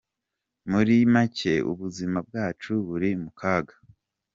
Muri macye ubuzima bwacu buri mu kaga.